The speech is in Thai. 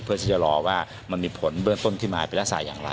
เพื่อที่จะรอว่ามันมีผลเบื้องต้นที่มาเป็นรักษาอย่างไร